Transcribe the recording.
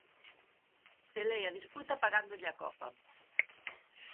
Selei a disputa pagándolle a copa.